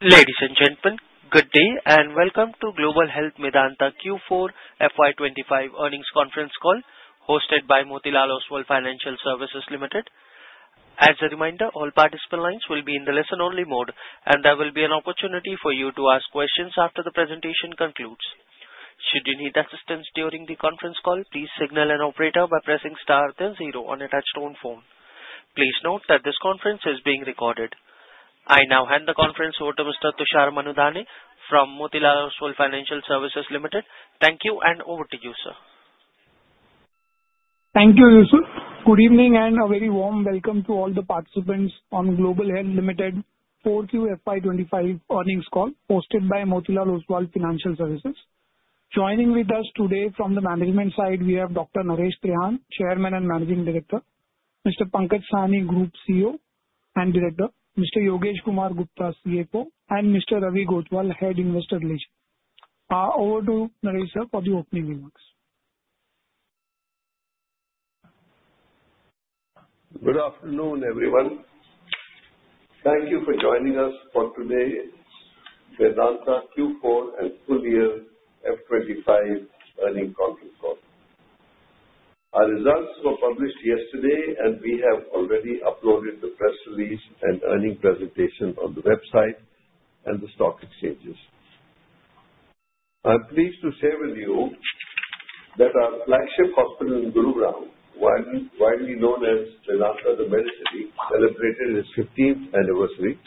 Ladies and gentlemen, good day and welcome to Global Health Medanta Q4 FY25 Earnings Conference Call, hosted by Motilal Oswal Financial Services Limited. As a reminder, all participant lines will be in the listen-only mode, and there will be an opportunity for you to ask questions after the presentation concludes. Should you need assistance during the conference call, please signal an operator by pressing star then zero on a touch-tone phone. Please note that this conference is being recorded. I now hand the conference over to Mr. Tushar Manudhane from Motilal Oswal Financial Services Limited. Thank you, and over to you, sir. Thank you, Yusuf. Good evening and a very warm welcome to all the participants on Global Health Limited Q4 FY25 Earnings Call, hosted by Motilal Oswal Financial Services. Joining with us today from the management side, we have Dr. Naresh Trehan, Chairman and Managing Director; Mr. Pankaj Sahni, Group CEO and Director; Mr. Yogesh Kumar Gupta, CFO; and Mr. Ravi Goswal, Head Investor Relations. Over to Naresh, sir, for the opening remarks. Good afternoon, everyone. Thank you for joining us for today's Medanta Q4 and full year 2025 earning conference call. Our results were published yesterday, and we have already uploaded the press release and earning presentation on the website and the stock exchanges. I'm pleased to share with you that our flagship hospital in Gurugram, widely known as Medanta the Medicity, celebrated its 15th anniversary.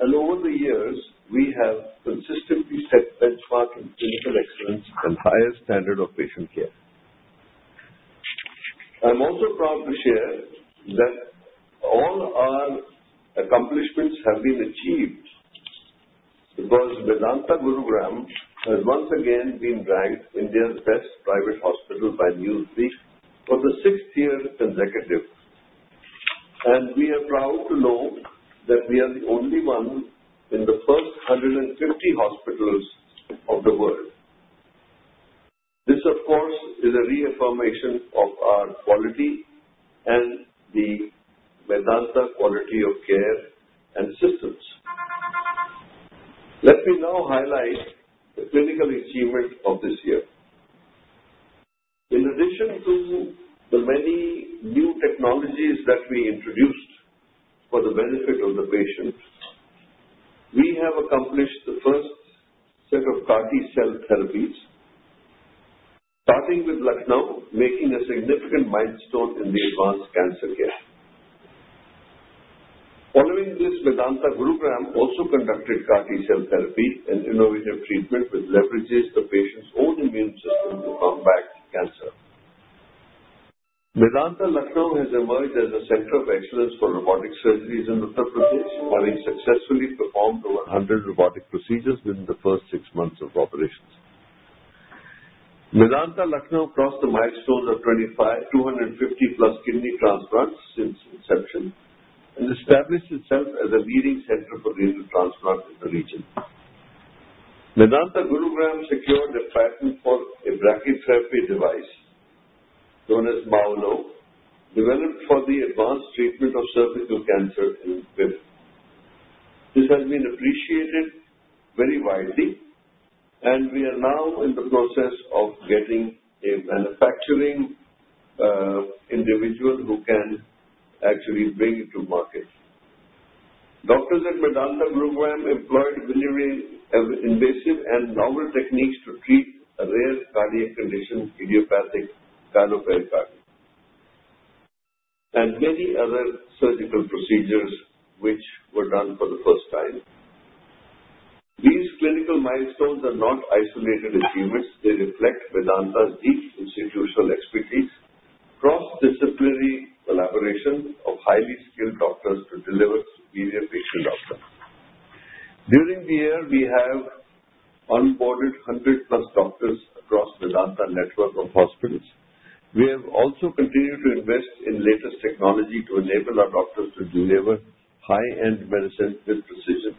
Over the years, we have consistently set benchmarking clinical excellence and higher standard of patient care. I'm also proud to share that all our accomplishments have been achieved because Medanta Gurugram has once again been ranked India's best private hospital by Newsweek for the sixth year consecutive. We are proud to know that we are the only one in the first 150 hospitals of the world. This, of course, is a reaffirmation of our quality and the Medanta quality of care and systems. Let me now highlight the clinical achievement of this year. In addition to the many new technologies that we introduced for the benefit of the patient, we have accomplished the first set of CAR-T cell therapies, starting with Lucknow, making a significant milestone in the advanced cancer care. Following this, Medanta Gurugram also conducted CAR-T cell therapy, an innovative treatment which leverages the patient's own immune system to combat cancer. Medanta Lucknow has emerged as a center of excellence for robotic surgeries in Uttar Pradesh, having successfully performed over 100 robotic procedures within the first six months of operations. Medanta Lucknow crossed the milestone of 25,250+ kidney transplants since inception and established itself as a leading center for renal transplant in the region. Medanta Gurugram secured a patent for a brachytherapy device known as MAULO, developed for the advanced treatment of cervical cancer in WIB. This has been appreciated very widely, and we are now in the process of getting a manufacturing individual who can actually bring it to market. Doctors at Medanta Gurugram employed invasive and novel techniques to treat a rare cardiac condition, idiopathic restrictive cardiomyopathy, and many other surgical procedures which were done for the first time. These clinical milestones are not isolated achievements. They reflect Medanta's deep institutional expertise, cross-disciplinary collaboration of highly skilled doctors to deliver superior patient outcomes. During the year, we have onboarded 100 plus doctors across the Medanta network of hospitals. We have also continued to invest in the latest technology to enable our doctors to deliver high-end medicine with precision.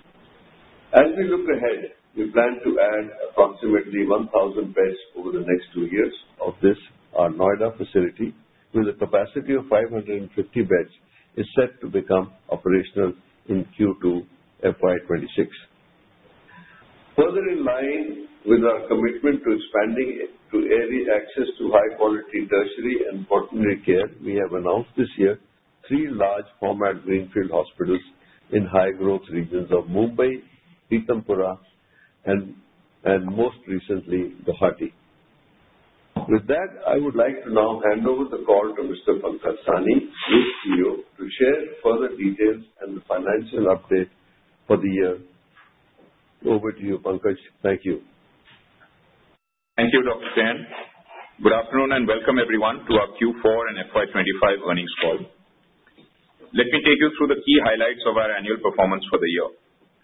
As we look ahead, we plan to add approximately 1,000 beds over the next two years as this Noida facility with a capacity of 550 beds is set to become operational in Q2 FY2026. Further in line with our commitment to expanding to early access to high-quality tertiary and boardroom care, we have announced this year three large format greenfield hospitals in high-growth regions of Mumbai, Pitampura, and most recently, Guwahati. With that, I would like to now hand over the call to Mr. Pankaj Sahni, Group CEO, to share further details and the financial update for the year. Over to you, Pankaj. Thank you. Thank you, Dr. Chen. Good afternoon and welcome everyone to our Q4 and FY2025 earnings call. Let me take you through the key highlights of our annual performance for the year.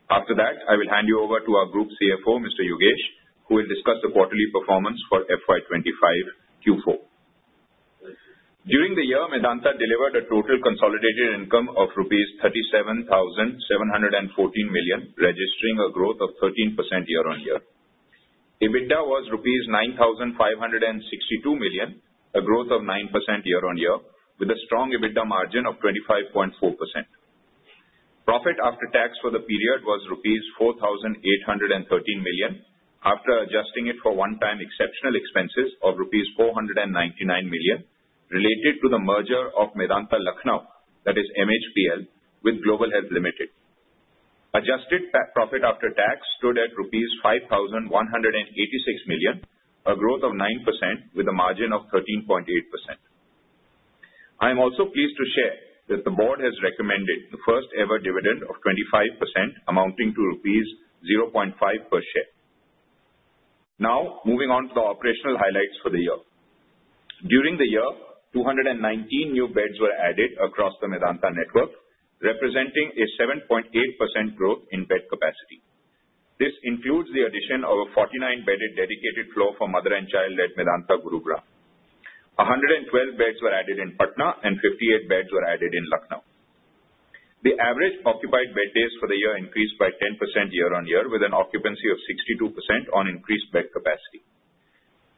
After that, I will hand you over to our Group CFO, Mr. Yogesh Kumar Gupta, who will discuss the quarterly performance for FY2025 Q4. During the year, Medanta delivered a total consolidated income of rupees 37,714 million, registering a growth of 13% year-on-year. EBITDA was rupees 9,562 million, a growth of 9% year-on-year, with a strong EBITDA margin of 25.4%. Profit after tax for the period was rupees 4,813 million after adjusting it for one-time exceptional expenses of rupees 499 million related to the merger of Medanta Lucknow, that is MHPL, with Global Health Limited. Adjusted profit after tax stood at rupees 5,186 million, a growth of 9% with a margin of 13.8%. I am also pleased to share that the board has recommended the first-ever dividend of 25%, amounting to rupees 0.5 per share. Now, moving on to the operational highlights for the year. During the year, 219 new beds were added across the Medanta network, representing a 7.8% growth in bed capacity. This includes the addition of a 49-bedded dedicated floor for mother and child at Medanta Gurugram. 112 beds were added in Patna, and 58 beds were added in Lucknow. The average occupied bed days for the year increased by 10% year-on-year, with an occupancy of 62% on increased bed capacity.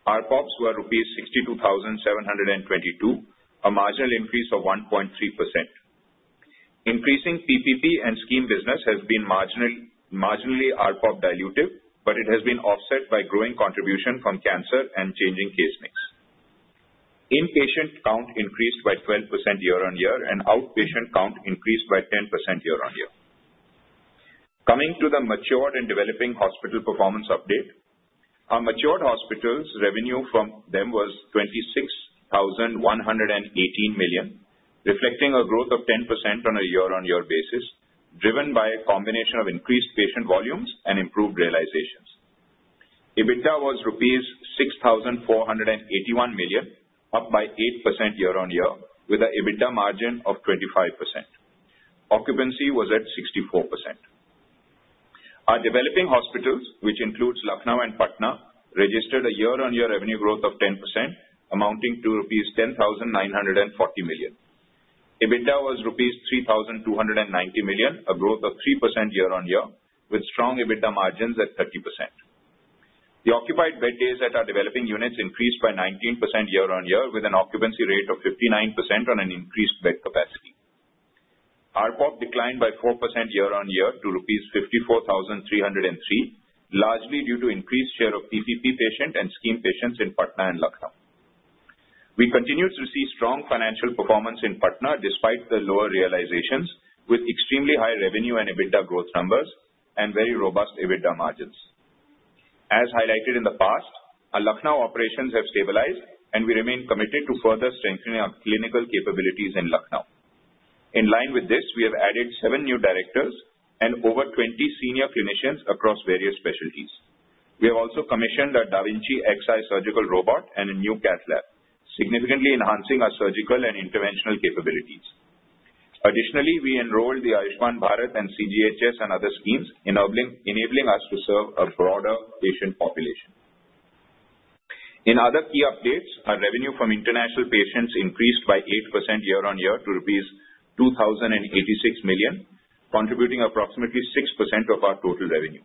ARPOBs were rupees 62,722, a marginal increase of 1.3%. Increasing PPP and scheme business has been marginally ARPOB dilutive, but it has been offset by growing contribution from cancer and changing case mix. Inpatient count increased by 12% year-on-year, and outpatient count increased by 10% year-on-year. Coming to the matured and developing hospital performance update, our matured hospitals' revenue from them was 26,118 million, reflecting a growth of 10% on a year-on-year basis, driven by a combination of increased patient volumes and improved realizations. EBITDA was rupees 6,481 million, up by 8% year-on-year, with an EBITDA margin of 25%. Occupancy was at 64%. Our developing hospitals, which includes Lucknow and Patna, registered a year-on-year revenue growth of 10%, amounting to rupees 10,940 million. EBITDA was rupees 3,290 million, a growth of 3% year-on-year, with strong EBITDA margins at 30%. The occupied bed days at our developing units increased by 19% year-on-year, with an occupancy rate of 59% on an increased bed capacity. ARPOB declined by 4% year-on-year to rupees 54,303, largely due to increased share of PPP patient and scheme patients in Patna and Lucknow. We continued to see strong financial performance in Patna despite the lower realizations, with extremely high revenue and EBITDA growth numbers and very robust EBITDA margins. As highlighted in the past, our Lucknow operations have stabilized, and we remain committed to further strengthening our clinical capabilities in Lucknow. In line with this, we have added seven new directors and over 20 senior clinicians across various specialties. We have also commissioned a Da Vinci XI surgical robot and a new cath lab, significantly enhancing our surgical and interventional capabilities. Additionally, we enrolled the Ayushman Bharat and CGHS and other schemes, enabling us to serve a broader patient population. In other key updates, our revenue from international patients increased by 8% year-on-year to rupees 2,086 million, contributing approximately 6% of our total revenue.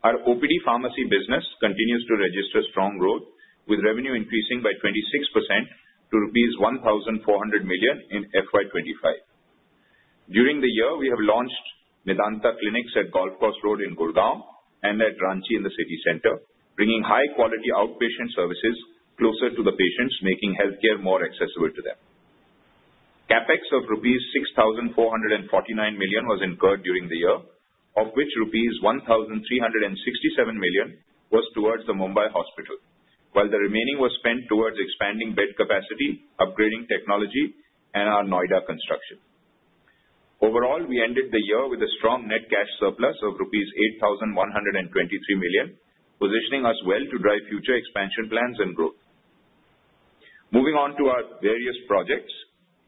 Our OPD pharmacy business continues to register strong growth, with revenue increasing by 26% to rupees 1,400 million in FY2025. During the year, we have launched Medanta Clinics at Golf Course Road in Gurugram and at Ranchi in the city center, bringing high-quality outpatient services closer to the patients, making healthcare more accessible to them. CapEx of rupees 6,449 million was incurred during the year, of which rupees 1,367 million was towards the Mumbai hospital, while the remaining was spent towards expanding bed capacity, upgrading technology, and our Noida construction. Overall, we ended the year with a strong net cash surplus of rupees 8,123 million, positioning us well to drive future expansion plans and growth. Moving on to our various projects,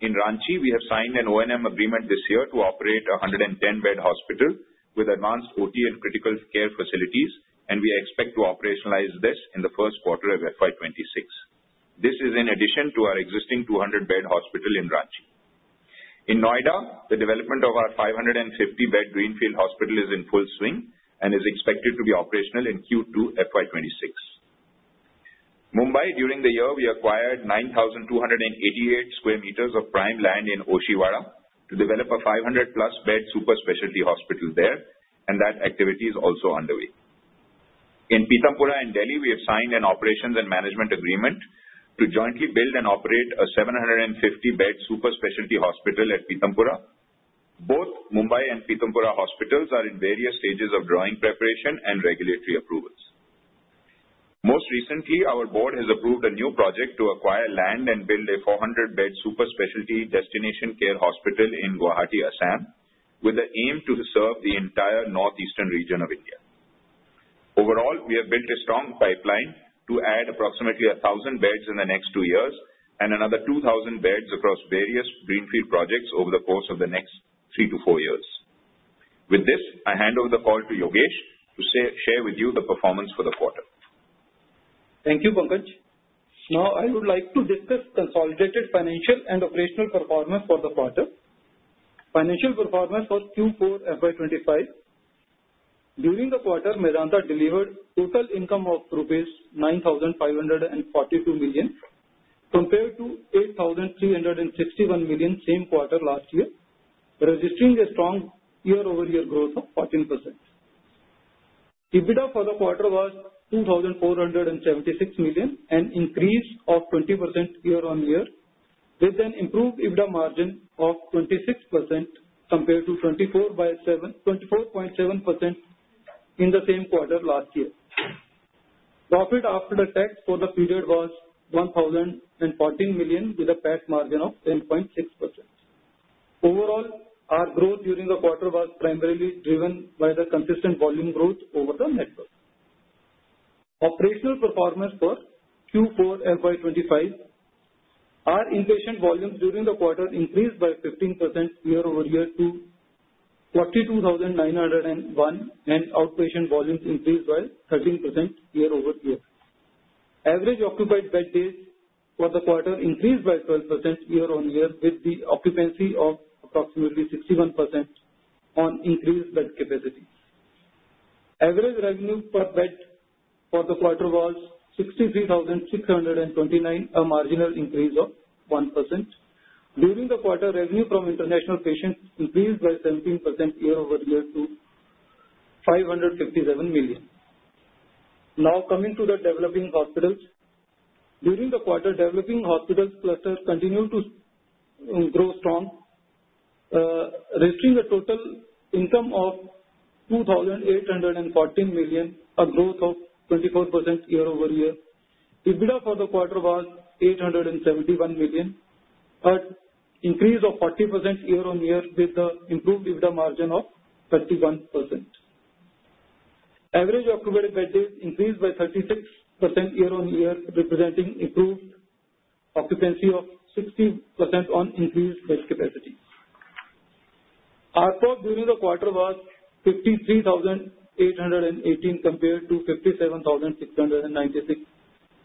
in Ranchi, we have signed an O&M agreement this year to operate a 110-bed hospital with advanced OT and critical care facilities, and we expect to operationalize this in the first quarter of FY2026. This is in addition to our existing 200-bed hospital in Ranchi. In Noida, the development of our 550-bed greenfield hospital is in full swing and is expected to be operational in Q2 FY2026. Mumbai, during the year, we acquired 9,288 sq m of prime land in Oshiwara to develop a 500-plus-bed super specialty hospital there, and that activity is also underway. In Pitampura and Delhi, we have signed an operations and management agreement to jointly build and operate a 750-bed super specialty hospital at Pitampura. Both Mumbai and Pitampura hospitals are in various stages of drawing preparation and regulatory approvals. Most recently, our board has approved a new project to acquire land and build a 400-bed super specialty destination care hospital in Guwahati, Assam, with the aim to serve the entire northeastern region of India. Overall, we have built a strong pipeline to add approximately 1,000 beds in the next two years and another 2,000 beds across various greenfield projects over the course of the next three to four years. With this, I hand over the call to Yogesh to share with you the performance for the quarter. Thank you, Pankaj. Now, I would like to discuss consolidated financial and operational performance for the quarter. Financial performance for Q4 FY2025. During the quarter, Medanta delivered total income of rupees 9,542 million compared to 8,361 million same quarter last year, registering a strong year-over-year growth of 14%. EBITDA for the quarter was 2,476 million, an increase of 20% year-on-year, with an improved EBITDA margin of 26% compared to 24.7% in the same quarter last year. Profit after tax for the period was 1,014 million, with a PAT margin of 10.6%. Overall, our growth during the quarter was primarily driven by the consistent volume growth over the network. Operational performance for Q4 FY2025. Our inpatient volumes during the quarter increased by 15% year-over-year to 42,901, and outpatient volumes increased by 13% year-over-year. Average occupied bed days for the quarter increased by 12% year-on-year, with the occupancy of approximately 61% on increased bed capacity. Average revenue per bed for the quarter was 63,629, a marginal increase of 1%. During the quarter, revenue from international patients increased by 17% year-over-year to 557 million. Now, coming to the developing hospitals. During the quarter, developing hospitals cluster continued to grow strong, registering a total income of 2,814 million, a growth of 24% year-over-year. EBITDA for the quarter was 871 million, an increase of 40% year-on-year, with the improved EBITDA margin of 31%. Average occupied bed days increased by 36% year-on-year, representing improved occupancy of 60% on increased bed capacity. ARPOB during the quarter was 53,818 compared to 57,696.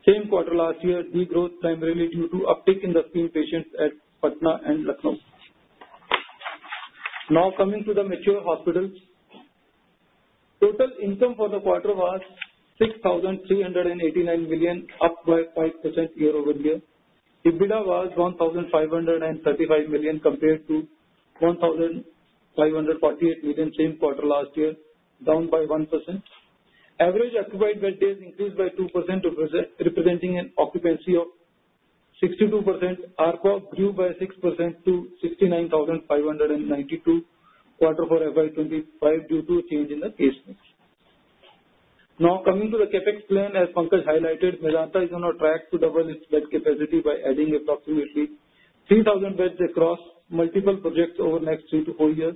Same quarter last year, decreased primarily due to uptake in the scheme patients at Patna and Lucknow. Now, coming to the mature hospitals. Total income for the quarter was 6,389 million, up by 5% year-over-year. EBITDA was 1,535 million compared to 1,548 million same quarter last year, down by 1%. Average occupied bed days increased by 2%, representing an occupancy of 62%. ARPOB grew by 6% to 69,592 quarter for FY2025 due to a change in the case mix. Now, coming to the CAPEX plan, as Pankaj highlighted, Medanta is on a track to double its bed capacity by adding approximately 3,000 beds across multiple projects over the next three to four years.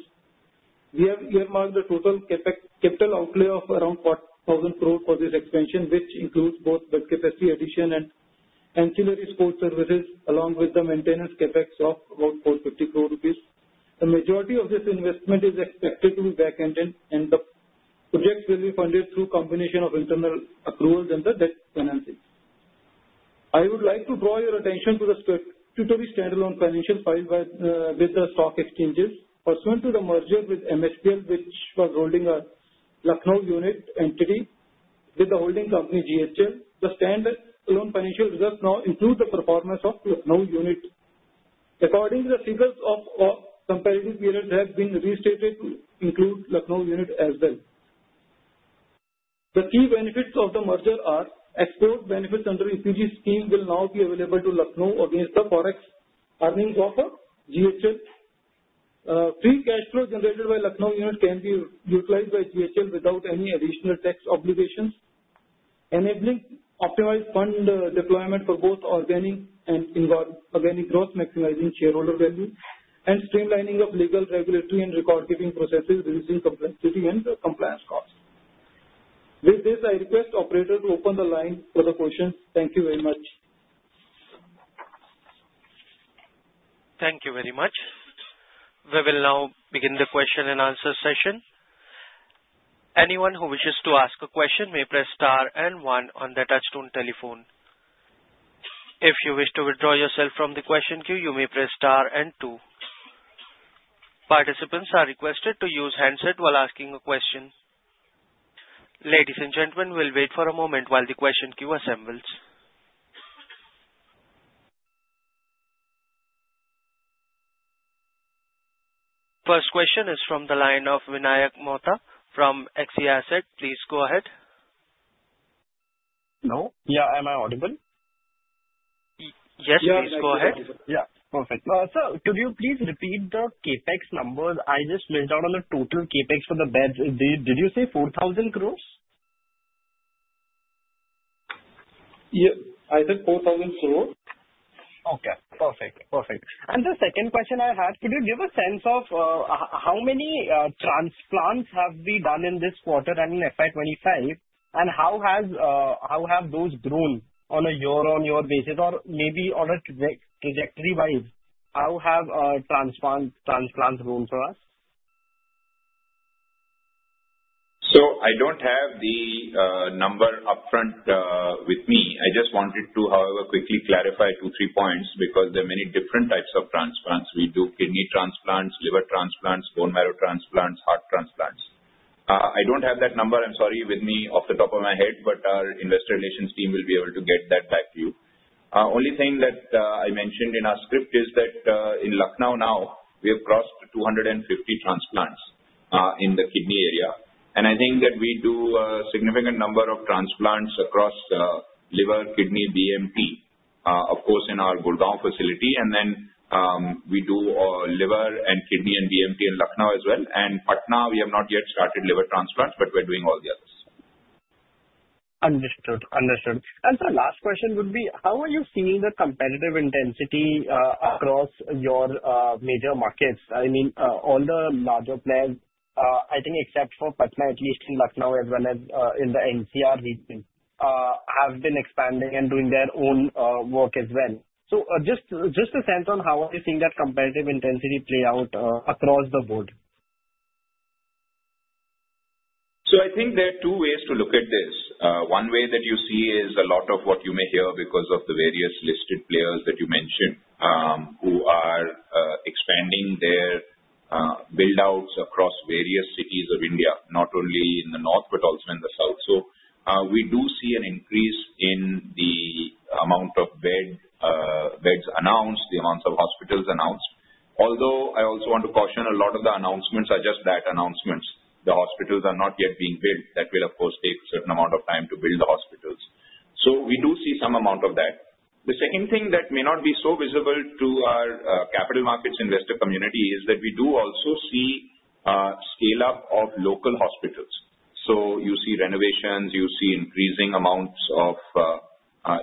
We have earmarked the total capital outlay of around 4,000 crore for this expansion, which includes both bed capacity addition and ancillary support services, along with the maintenance CAPEX of about 450 crore rupees. The majority of this investment is expected to be back-ended, and the project will be funded through a combination of internal accruals and debt financing. I would like to draw your attention to the statutory standalone financials filed with the stock exchanges. Pursuant to the merger with MHPL, which was holding a Lucknow unit entity with the holding company GHL, the standalone financial results now include the performance of Lucknow unit. According to the figures of comparative periods, they have been restated to include Lucknow unit as well. The key benefits of the merger are export benefits under EPG scheme will now be available to Lucknow against the Forex earnings of GHL. Free cash flow generated by Lucknow unit can be utilized by GHL without any additional tax obligations, enabling optimized fund deployment for both organic and inorganic growth, maximizing shareholder value, and streamlining of legal, regulatory, and record-keeping processes, reducing complexity and compliance costs. With this, I request the operator to open the line for the questions. Thank you very much. Thank you very much. We will now begin the question and answer session. Anyone who wishes to ask a question may press Star and one on the touchstone telephone. If you wish to withdraw yourself from the question queue, you may press Star and two. Participants are requested to use handset while asking a question. Ladies and gentlemen, we'll wait for a moment while the question queue assembles. First question is from the line of Vinayak Mehta from Axis Asset Management. Please go ahead. Hello. Yeah, am I audible? Yes, please go ahead. Yeah, perfect. Sir, could you please repeat the CAPEX number? I just went out on the total CAPEX for the beds. Did you say 4,000 crore? Yeah, I said 4,000 crore. Okay, perfect, perfect. The second question I had, could you give a sense of how many transplants have we done in this quarter and in FY 2025, and how have those grown on a year-on-year basis or maybe on a trajectory-wise? How have transplants grown for us? I do not have the number upfront with me. I just wanted to, however, quickly clarify two or three points because there are many different types of transplants. We do kidney transplants, liver transplants, bone marrow transplants, heart transplants. I do not have that number, I am sorry, with me off the top of my head, but our investor relations team will be able to get that back to you. The only thing that I mentioned in our script is that in Lucknow now, we have crossed 250 transplants in the kidney area. I think that we do a significant number of transplants across liver, kidney, bone marrow, of course, in our Gurgaon facility. We do liver and kidney and bone marrow in Lucknow as well. In Patna, we have not yet started liver transplants, but we are doing all the others. Understood, understood. The last question would be, how are you seeing the competitive intensity across your major markets? I mean, all the larger players, I think except for Patna, at least in Lucknow as well as in the NCR region, have been expanding and doing their own work as well. Just a sense on how are you seeing that competitive intensity play out across the board? I think there are two ways to look at this. One way that you see is a lot of what you may hear because of the various listed players that you mentioned who are expanding their buildouts across various cities of India, not only in the north but also in the south. We do see an increase in the amount of beds announced, the amounts of hospitals announced. Although I also want to caution, a lot of the announcements are just that, announcements. The hospitals are not yet being built. That will, of course, take a certain amount of time to build the hospitals. We do see some amount of that. The second thing that may not be so visible to our capital markets investor community is that we do also see a scale-up of local hospitals. You see renovations, you see increasing amounts of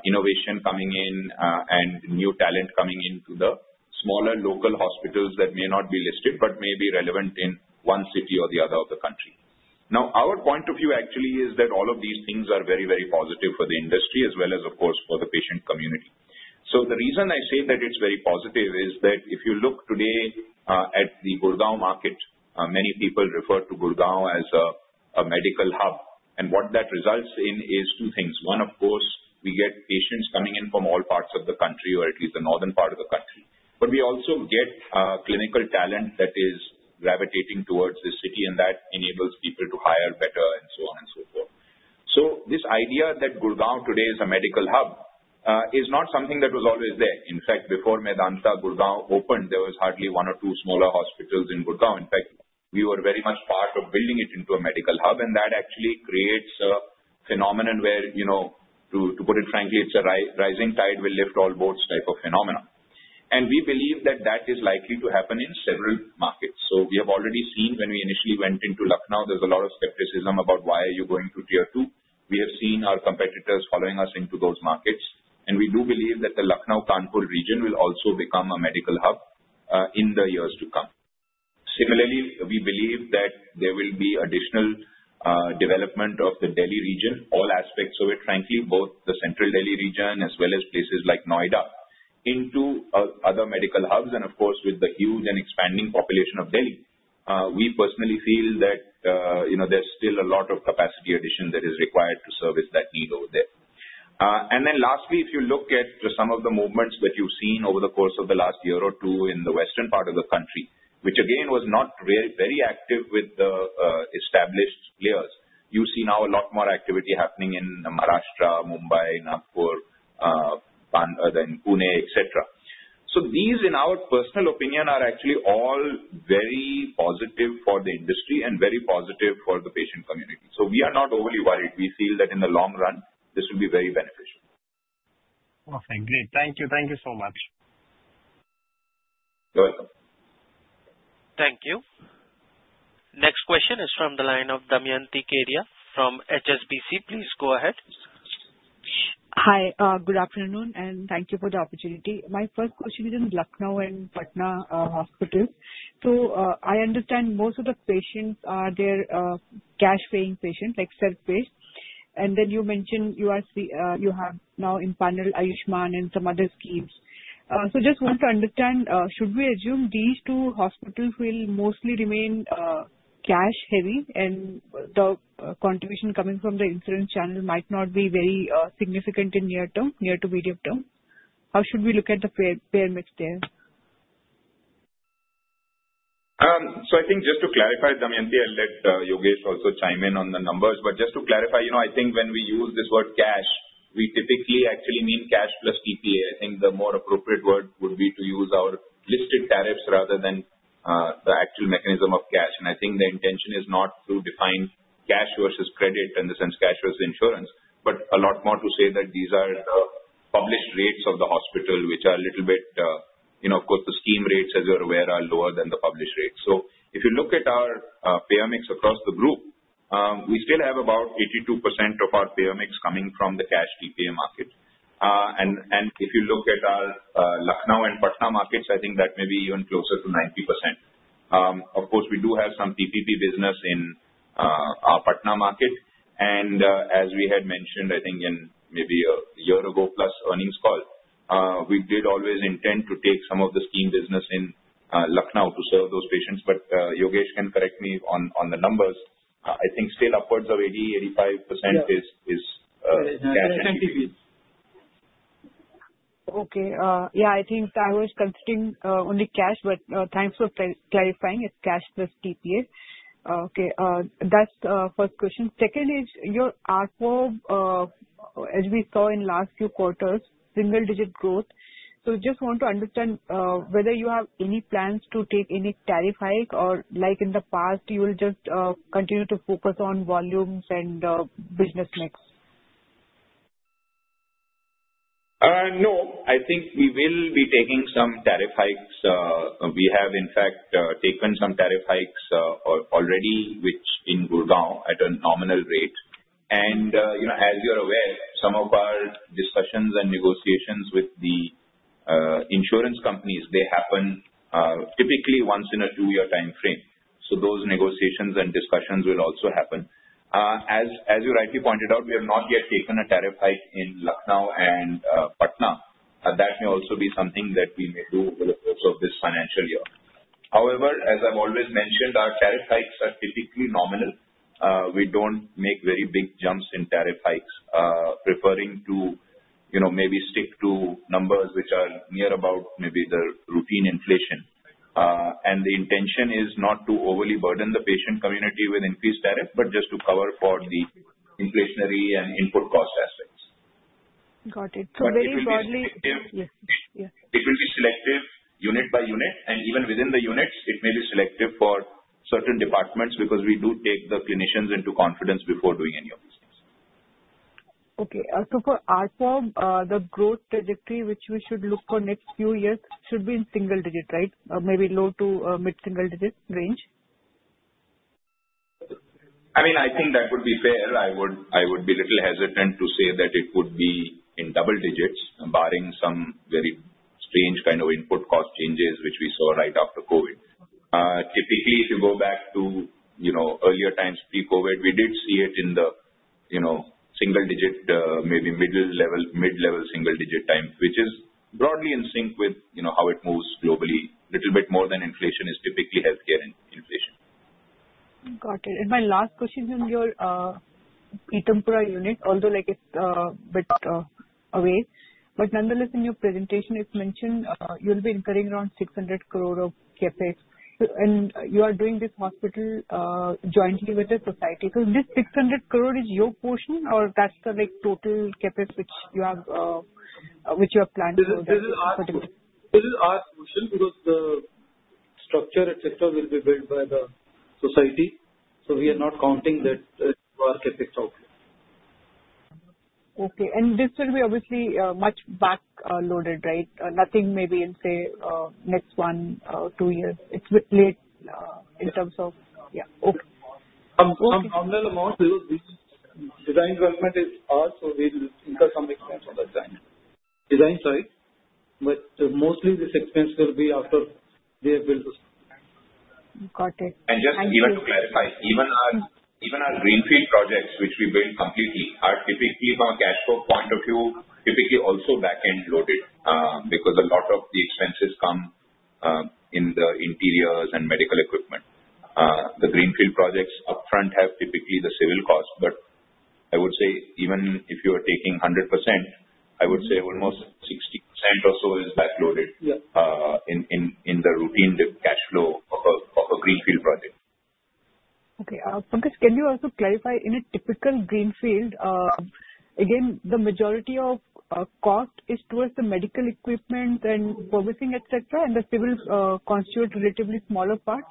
innovation coming in and new talent coming into the smaller local hospitals that may not be listed but may be relevant in one city or the other of the country. Now, our point of view actually is that all of these things are very, very positive for the industry as well as, of course, for the patient community. The reason I say that it's very positive is that if you look today at the Gurgaon market, many people refer to Gurgaon as a medical hub. What that results in is two things. One, of course, we get patients coming in from all parts of the country or at least the northern part of the country. We also get clinical talent that is gravitating towards the city, and that enables people to hire better and so on and so forth. This idea that Gurugram today is a medical hub is not something that was always there. In fact, before Medanta Gurugram opened, there was hardly one or two smaller hospitals in Gurugram. We were very much part of building it into a medical hub, and that actually creates a phenomenon where, to put it frankly, it's a rising tide will lift all boats type of phenomenon. We believe that that is likely to happen in several markets. We have already seen when we initially went into Lucknow, there was a lot of skepticism about why are you going to tier two. We have seen our competitors following us into those markets. We do believe that the Lucknow-Kanpur region will also become a medical hub in the years to come. Similarly, we believe that there will be additional development of the Delhi region, all aspects of it, frankly, both the central Delhi region as well as places like Noida, into other medical hubs. Of course, with the huge and expanding population of Delhi, we personally feel that there's still a lot of capacity addition that is required to service that need over there. Lastly, if you look at some of the movements that you've seen over the course of the last year or two in the western part of the country, which again was not very active with the established players, you see now a lot more activity happening in Maharashtra, Mumbai, Nagpur, Pune, etc. These, in our personal opinion, are actually all very positive for the industry and very positive for the patient community. We are not overly worried. We feel that in the long run, this will be very beneficial. Perfect. Great. Thank you. Thank you so much. You're welcome. Thank you. Next question is from the line of Damyanti Keria from HSBC. Please go ahead. Hi, good afternoon, and thank you for the opportunity. My first question is in Lucknow and Patna hospitals. I understand most of the patients are cash-paying patients, like self-pay. You mentioned you have now empaneled Ayushman and some other schemes. I just want to understand, should we assume these two hospitals will mostly remain cash-heavy and the contribution coming from the insurance channel might not be very significant in the near term, near to medium term? How should we look at the payer mix there? I think just to clarify, Damyanti, I'll let Yogesh also chime in on the numbers. Just to clarify, I think when we use this word cash, we typically actually mean cash plus TPA. I think the more appropriate word would be to use our listed tariffs rather than the actual mechanism of cash. I think the intention is not to define cash versus credit in the sense cash versus insurance, but a lot more to say that these are the published rates of the hospital, which are a little bit, of course, the scheme rates, as you're aware, are lower than the published rates. If you look at our payer mix across the group, we still have about 82% of our payer mix coming from the cash TPA market. If you look at our Lucknow and Patna markets, I think that may be even closer to 90%. Of course, we do have some TPP business in our Patna market. As we had mentioned, I think maybe a year-ago plus earnings call, we did always intend to take some of the scheme business in Lucknow to serve those patients. Yogesh can correct me on the numbers. I think still upwards of 80-85% is cash. Okay. Yeah, I think I was considering only cash, but thanks for clarifying it's cash plus TPA. Okay, that's the first question. Second is your ARPOB, as we saw in last few quarters, single-digit growth. So just want to understand whether you have any plans to take any tariff hike or like in the past, you will just continue to focus on volumes and business mix? No, I think we will be taking some tariff hikes. We have, in fact, taken some tariff hikes already, which in Gurgaon at a nominal rate. As you're aware, some of our discussions and negotiations with the insurance companies, they happen typically once in a two-year time frame. Those negotiations and discussions will also happen. As you rightly pointed out, we have not yet taken a tariff hike in Lucknow and Patna. That may also be something that we may do over the course of this financial year. However, as I've always mentioned, our tariff hikes are typically nominal. We don't make very big jumps in tariff hikes, preferring to maybe stick to numbers which are near about maybe the routine inflation. The intention is not to overly burden the patient community with increased tariff, but just to cover for the inflationary and input cost aspects. Got it. So very broadly. It will be selective unit by unit. Even within the units, it may be selective for certain departments because we do take the clinicians into confidence before doing any of these things. Okay. So for ARPOB, the growth trajectory which we should look for next few years should be in single digit, right? Maybe low to mid-single digit range? I mean, I think that would be fair. I would be a little hesitant to say that it would be in double digits, barring some very strange kind of input cost changes which we saw right after COVID. Typically, if you go back to earlier times pre-COVID, we did see it in the single-digit, maybe mid-level single-digit time, which is broadly in sync with how it moves globally, a little bit more than inflation is typically healthcare inflation. Got it. My last question is on your Pitampura unit, although it's a bit away. Nonetheless, in your presentation, it mentioned you'll be incurring around 6 billion of CAPEX. You are doing this hospital jointly with the society. Is this INR 6 billion your portion or is that the total CAPEX which you have planned for the hospital? This is our portion because the structure, etc., will be built by the society. We are not counting that to our CAPEX output. Okay. This will be obviously much back-loaded, right? Nothing maybe in, say, next one or two years. It is a bit late in terms of, yeah. Okay. Some nominal amounts because this design development is all, so we'll incur some expense on the design side. Mostly, this expense will be after we have built the. Got it. Just even to clarify, even our greenfield projects which we build completely are typically from a cash flow point of view, typically also back-end loaded because a lot of the expenses come in the interiors and medical equipment. The greenfield projects upfront have typically the civil cost. I would say even if you are taking 100%, I would say almost 60% or so is back-loaded in the routine cash flow of a greenfield project. Okay. Pankaj, can you also clarify in a typical greenfield, again, the majority of cost is towards the medical equipment and servicing, etc., and the civil constitutes a relatively smaller part?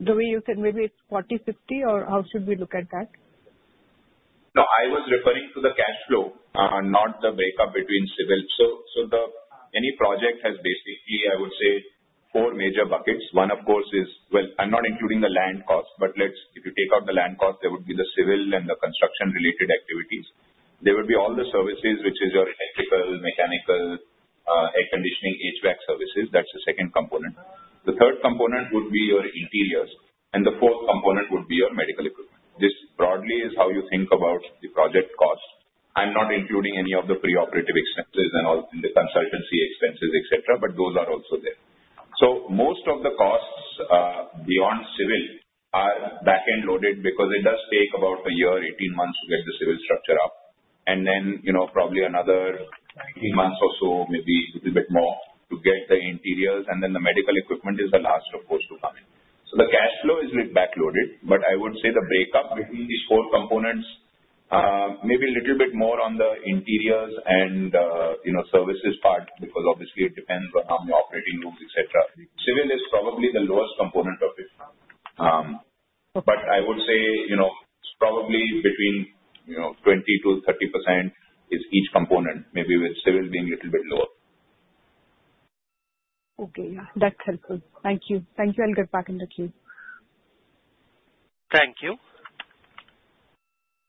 The way you said, maybe it's 40-50, or how should we look at that? No, I was referring to the cash flow, not the breakup between civil. Any project has basically, I would say, four major buckets. One, of course, is, I am not including the land cost. If you take out the land cost, there would be the civil and the construction-related activities. There would be all the services, which is your electrical, mechanical, air conditioning, HVAC services. That is the second component. The third component would be your interiors. The fourth component would be your medical equipment. This broadly is how you think about the project cost. I am not including any of the pre-operative expenses and all the consultancy expenses, etc., but those are also there. Most of the costs beyond civil are back-end loaded because it does take about a year, 18 months to get the civil structure up. Then probably another 18 months or so, maybe a little bit more, to get the interiors. Then the medical equipment is the last, of course, to come in. The cash flow is back-loaded. I would say the breakup between these four components, maybe a little bit more on the interiors and services part because obviously, it depends on how many operating rooms, etc. Civil is probably the lowest component of it. I would say it's probably between 20-30% is each component, maybe with civil being a little bit lower. Okay. That's helpful. Thank you. I'll get back in the queue. Thank you.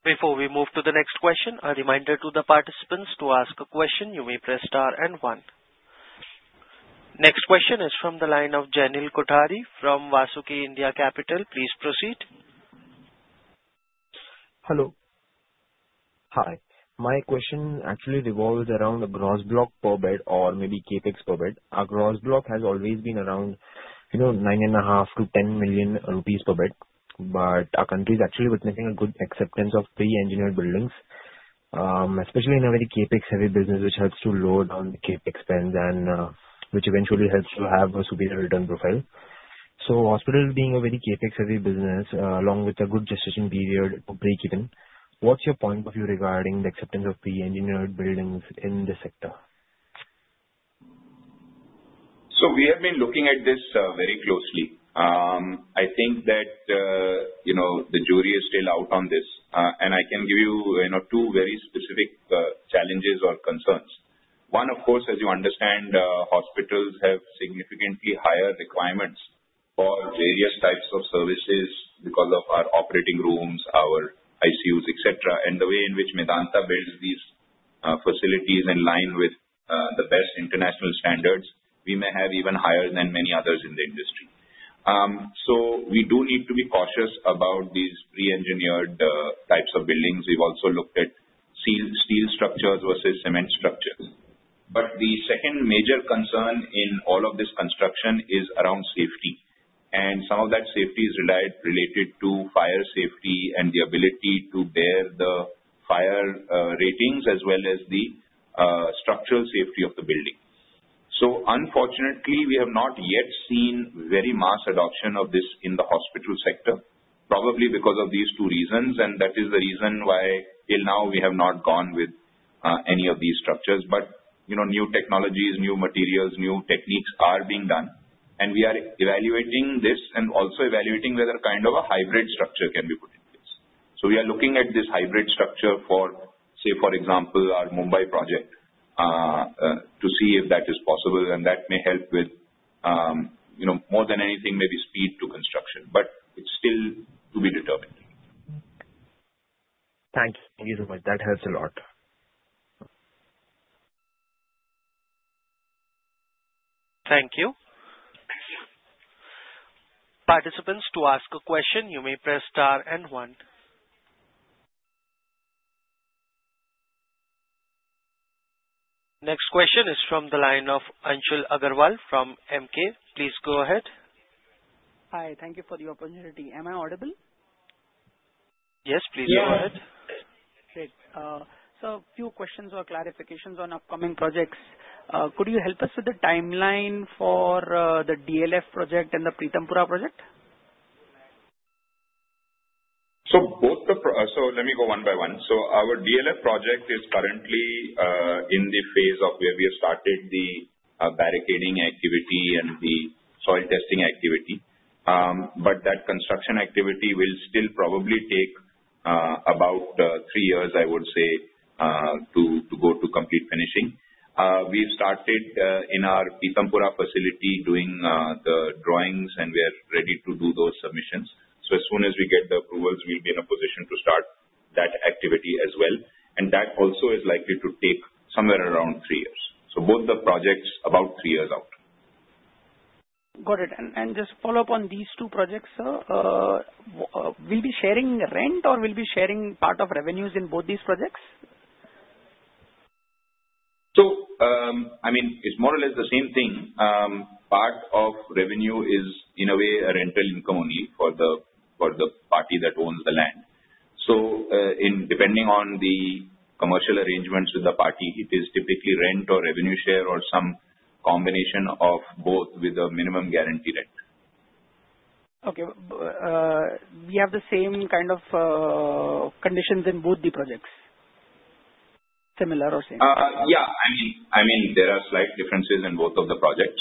Before we move to the next question, a reminder to the participants to ask a question. You may press star and one. Next question is from the line of Janil Kothari from Vasuki India Capital. Please proceed. Hello. Hi. My question actually revolves around a gross block per bed or maybe CAPEX per bed. Our gross block has always been around 9.5 million-10 million rupees per bed. Our country is actually witnessing a good acceptance of pre-engineered buildings, especially in a very CAPEX-heavy business, which helps to lower down the CAPEX spend and which eventually helps to have a superior return profile. Hospitals being a very CAPEX-heavy business along with a good gestation period, break-even, what's your point of view regarding the acceptance of pre-engineered buildings in this sector? We have been looking at this very closely. I think that the jury is still out on this. I can give you two very specific challenges or concerns. One, of course, as you understand, hospitals have significantly higher requirements for various types of services because of our operating rooms, our ICUs, etc. The way in which Medanta builds these facilities in line with the best international standards, we may have even higher than many others in the industry. We do need to be cautious about these pre-engineered types of buildings. We have also looked at steel structures versus cement structures. The second major concern in all of this construction is around safety. Some of that safety is related to fire safety and the ability to bear the fire ratings as well as the structural safety of the building. Unfortunately, we have not yet seen very mass adoption of this in the hospital sector, probably because of these two reasons. That is the reason why till now we have not gone with any of these structures. New technologies, new materials, new techniques are being done. We are evaluating this and also evaluating whether kind of a hybrid structure can be put in place. We are looking at this hybrid structure for, say, for example, our Mumbai project to see if that is possible. That may help with, more than anything, maybe speed to construction. It is still to be determined. Thank you. That helps a lot. Thank you. Participants, to ask a question, you may press star and one. Next question is from the line of Anshul Agarwal from MK. Please go ahead. Hi. Thank you for the opportunity. Am I audible? Yes, please go ahead. Yeah. Great. So a few questions or clarifications on upcoming projects. Could you help us with the timeline for the DLF project and the Pitampura project? Let me go one by one. Our DLF project is currently in the phase where we have started the barricading activity and the soil testing activity. That construction activity will still probably take about three years, I would say, to go to complete finishing. We've started in our Pitampura facility doing the drawings, and we are ready to do those submissions. As soon as we get the approvals, we'll be in a position to start that activity as well. That also is likely to take somewhere around three years. Both the projects are about three years out. Got it. Just follow up on these two projects, sir. Will we be sharing rent or will we be sharing part of revenues in both these projects? I mean, it's more or less the same thing. Part of revenue is, in a way, a rental income only for the party that owns the land. Depending on the commercial arrangements with the party, it is typically rent or revenue share or some combination of both with a minimum guaranteed rent. Okay. We have the same kind of conditions in both the projects, similar or same? Yeah. I mean, there are slight differences in both of the projects.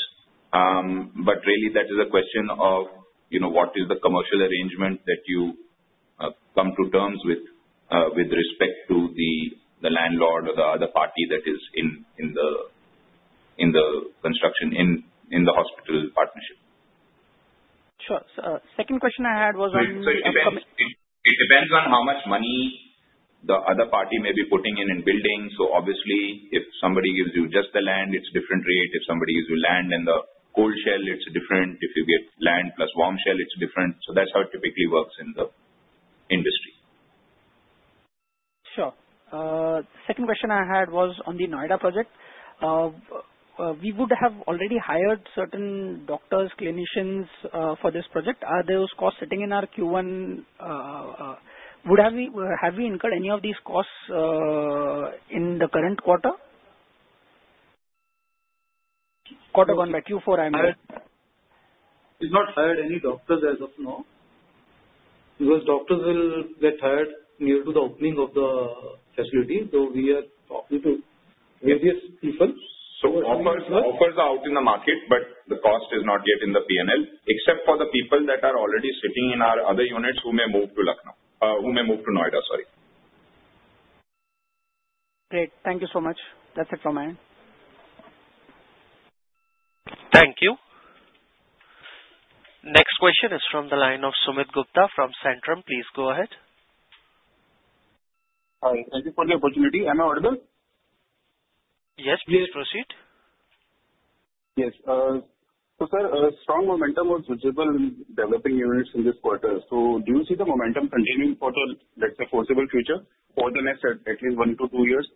Really, that is a question of what is the commercial arrangement that you come to terms with with respect to the landlord or the other party that is in the construction in the hospital partnership. Sure. The second question I had was on. It depends on how much money the other party may be putting in in building. Obviously, if somebody gives you just the land, it's a different rate. If somebody gives you land and the cold shell, it's different. If you get land plus warm shell, it's different. That's how it typically works in the industry. Sure. Second question I had was on the Noida project. We would have already hired certain doctors, clinicians for this project. Are those costs sitting in our Q1? Have we incurred any of these costs in the current quarter? Q4, I'm aware. It's not hired any doctors as of now. Because doctors will get hired near to the opening of the facility. We are talking to various people. Offers are out in the market, but the cost is not yet in the P&L, except for the people that are already sitting in our other units who may move to Lucknow, who may move to Noida, sorry. Great. Thank you so much. That's it from my end. Thank you. Next question is from the line of Sumit Gupta from Centrum. Please go ahead. Hi. Thank you for the opportunity. Am I audible? Yes, please proceed. Yes. Sir, strong momentum was visible in developing units in this quarter. Do you see the momentum continuing for the, let's say, foreseeable future for the next at least one to two years?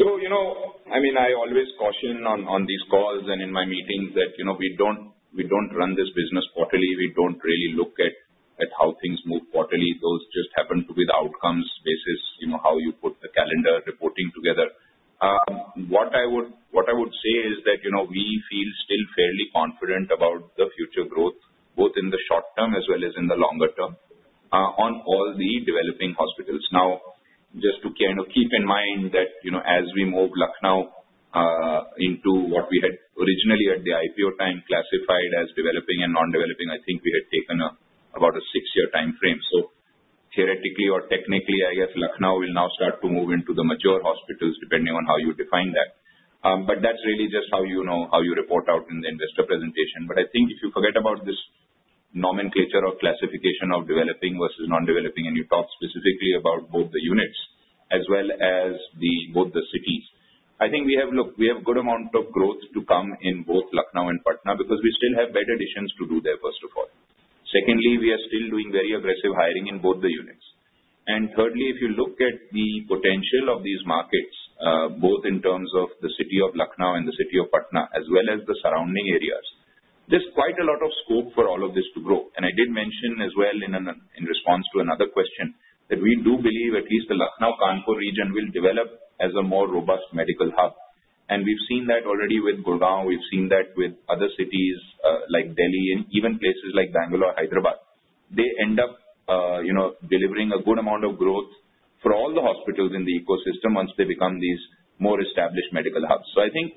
I mean, I always caution on these calls and in my meetings that we do not run this business quarterly. We do not really look at how things move quarterly. Those just happen to be the outcomes based on how you put the calendar reporting together. What I would say is that we feel still fairly confident about the future growth, both in the short term as well as in the longer term on all the developing hospitals. Now, just to kind of keep in mind that as we move Lucknow into what we had originally at the IPO time classified as developing and non-developing, I think we had taken about a six-year time frame. Theoretically or technically, I guess Lucknow will now start to move into the mature hospitals depending on how you define that. That is really just how you report out in the investor presentation. I think if you forget about this nomenclature or classification of developing versus non-developing, and you talk specifically about both the units as well as both the cities, I think we have a good amount of growth to come in both Lucknow and Patna because we still have better additions to do there, first of all. Secondly, we are still doing very aggressive hiring in both the units. Thirdly, if you look at the potential of these markets, both in terms of the city of Lucknow and the city of Patna as well as the surrounding areas, there is quite a lot of scope for all of this to grow. I did mention as well in response to another question that we do believe at least the Lucknow-Kanpur region will develop as a more robust medical hub. We have seen that already with Gurugram. We've seen that with other cities like Delhi and even places like Bangalore, Hyderabad. They end up delivering a good amount of growth for all the hospitals in the ecosystem once they become these more established medical hubs. I think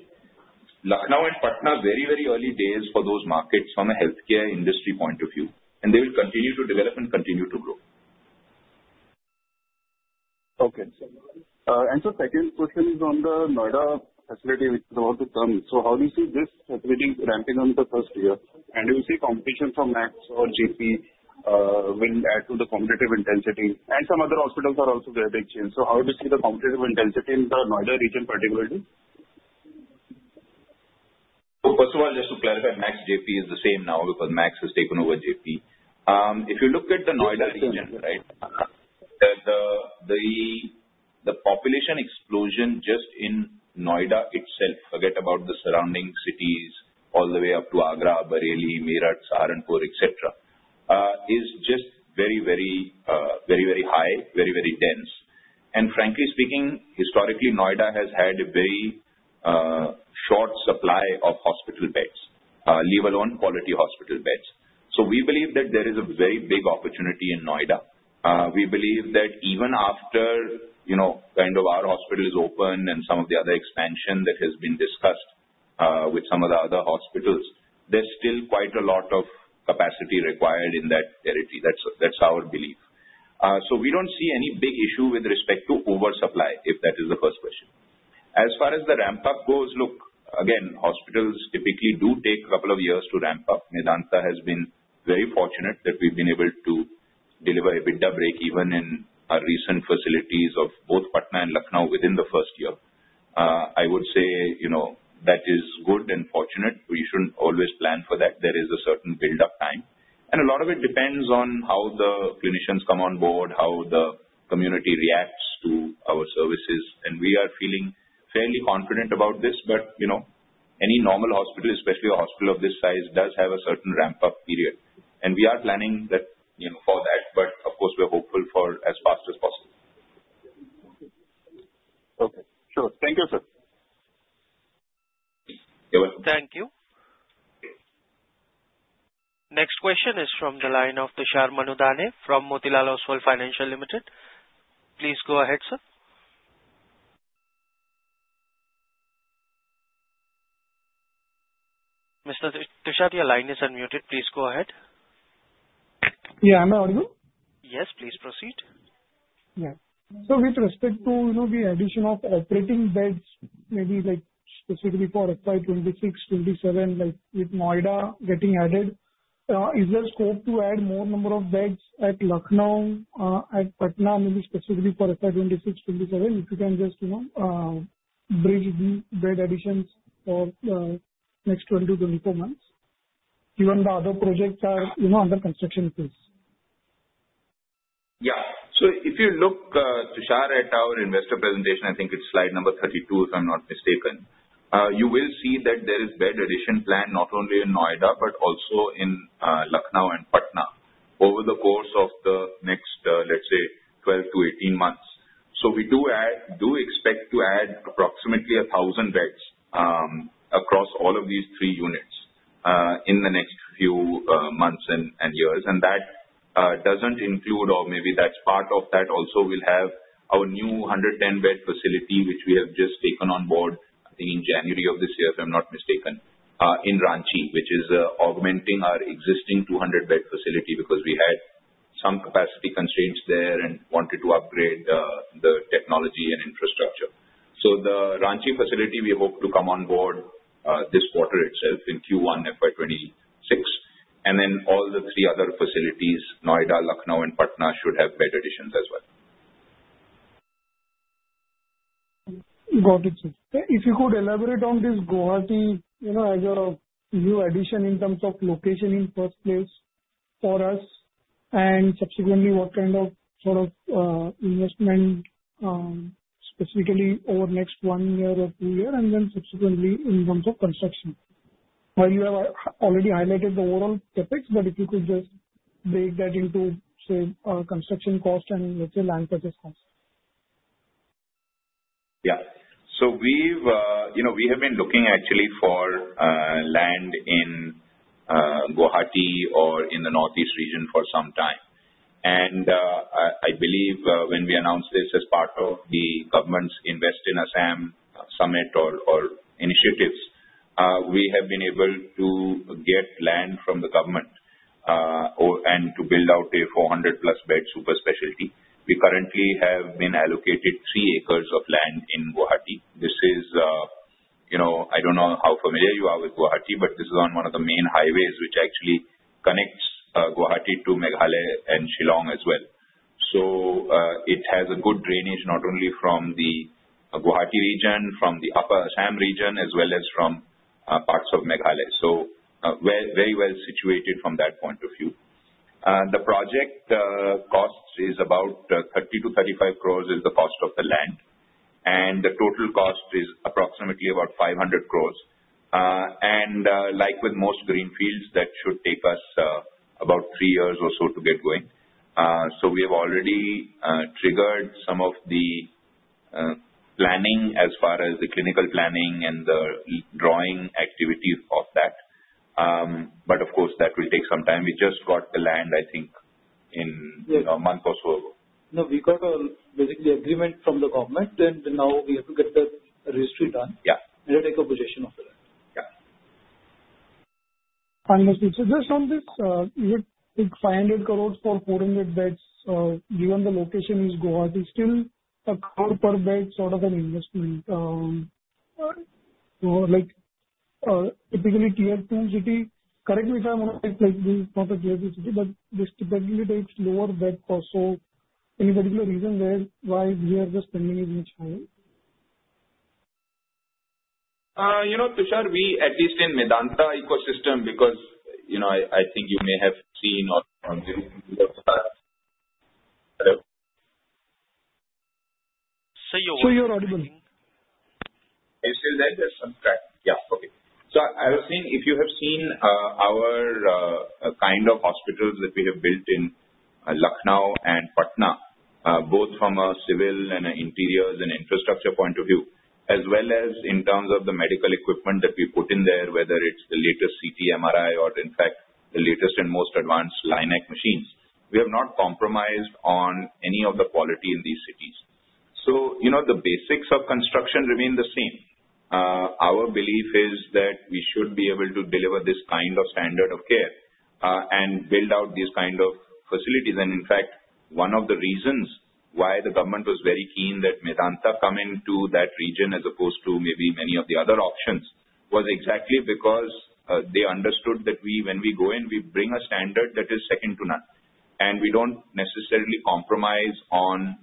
Lucknow and Patna are very, very early days for those markets from a healthcare industry point of view. They will continue to develop and continue to grow. Okay. And second question is on the Noida facility which is about to come. How do you see this facility ramping up in the first year? You will see competition from Max or Jaypee will add to the competitive intensity. Some other hospitals are also very big chains. How do you see the competitive intensity in the Noida region particularly? First of all, just to clarify, Max JP is the same now because Max has taken over JP. If you look at the Noida region, the population explosion just in Noida itself, forget about the surrounding cities all the way up to Agra, Bareilly, Meerut, Saharanpur, etc., is just very, very high, very, very dense. Frankly speaking, historically, Noida has had a very short supply of hospital beds, leave alone quality hospital beds. We believe that there is a very big opportunity in Noida. We believe that even after kind of our hospitals open and some of the other expansion that has been discussed with some of the other hospitals, there is still quite a lot of capacity required in that territory. That is our belief. We do not see any big issue with respect to oversupply, if that is the first question. As far as the ramp-up goes, look, again, hospitals typically do take a couple of years to ramp up. Medanta has been very fortunate that we've been able to deliver EBITDA break even in our recent facilities of both Patna and Lucknow within the first year. I would say that is good and fortunate. We shouldn't always plan for that. There is a certain build-up time. A lot of it depends on how the clinicians come on board, how the community reacts to our services. We are feeling fairly confident about this. Any normal hospital, especially a hospital of this size, does have a certain ramp-up period. We are planning for that. Of course, we're hopeful for as fast as possible. Okay. Sure. Thank you, sir. You're welcome. Thank you. Next question is from the line of Tushar Manudhane from Motilal Oswal Financial Services Limited. Please go ahead, sir. Mr. Tushar, your line is unmuted. Please go ahead. Yeah. Am I audible? Yes, please proceed. Yeah. So with respect to the addition of operating beds, maybe specifically for FY 2026, 2027, with Noida getting added, is there scope to add more number of beds at Lucknow, at Patna, maybe specifically for FY 2026, 2027, if you can just bridge the bed additions for the next 20-24 months? Even the other projects are under construction phase. Yeah. If you look, Tushar, at our investor presentation, I think it's slide number 32, if I'm not mistaken, you will see that there is bed addition plan not only in Noida but also in Lucknow and Patna over the course of the next, let's say, 12-18 months. We do expect to add approximately 1,000 beds across all of these three units in the next few months and years. That does not include, or maybe that's part of that also, we'll have our new 110-bed facility, which we have just taken on board, I think, in January of this year, if I'm not mistaken, in Ranchi, which is augmenting our existing 200-bed facility because we had some capacity constraints there and wanted to upgrade the technology and infrastructure. The Ranchi facility, we hope to come on board this quarter itself in Q1 FY 2026. All the three other facilities, Noida, Lucknow, and Patna, should have bed additions as well. Got it, sir. If you could elaborate on this Guwahati as a new addition in terms of location in first place for us, and subsequently, what kind of sort of investment specifically over the next one year or two years, and then subsequently in terms of construction? While you have already highlighted the overall topics, but if you could just break that into, say, construction cost and, let's say, land purchase cost. Yeah. So we have been looking, actually, for land in Guwahati or in the northeast region for some time. I believe when we announced this as part of the government's Invest in Assam Summit or initiatives, we have been able to get land from the government and to build out a 400+ bed super specialty. We currently have been allocated three acres of land in Guwahati. This is, I don't know how familiar you are with Guwahati, but this is on one of the main highways which actually connects Guwahati to Meghalaya and Shillong as well. It has good drainage not only from the Guwahati region, from the Upper Assam region, as well as from parts of Meghalaya. Very well situated from that point of view. The project cost is about 30 crore-35 crore is the cost of the land. The total cost is approximately 500 crore. Like with most greenfields, that should take us about three years or so to get going. We have already triggered some of the planning as far as the clinical planning and the drawing activity of that. Of course, that will take some time. We just got the land, I think, a month or so ago. No, we got basically agreement from the government. Now we have to get the registry done and then take a position on that. Understood. So just on this, you would take 500 crore for 400 beds. Given the location is Guwahati, still a crore per bed sort of an investment. Typically, tier two city, correct me if I'm wrong, this is not a tier two city, but this typically takes lower bed costs. Any particular reason why we are just spending it much higher? You know, Tushar, we at least in the Medanta ecosystem because I think you may have seen on the. Say you're audible. You still there? Yeah. Okay. I was saying if you have seen our kind of hospitals that we have built in Lucknow and Patna, both from a civil and interiors and infrastructure point of view, as well as in terms of the medical equipment that we put in there, whether it's the latest CT, MRI, or in fact, the latest and most advanced Linac machines, we have not compromised on any of the quality in these cities. The basics of construction remain the same. Our belief is that we should be able to deliver this kind of standard of care and build out these kind of facilities. In fact, one of the reasons why the government was very keen that Medanta come into that region as opposed to maybe many of the other options was exactly because they understood that when we go in, we bring a standard that is second to none. We do not necessarily compromise on